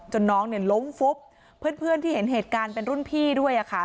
น้องเนี่ยล้มฟุบเพื่อนที่เห็นเหตุการณ์เป็นรุ่นพี่ด้วยค่ะ